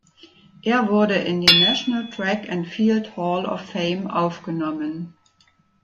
Er wurde in die National Track and Field Hall of Fame aufgenommen.